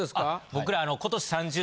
僕ら。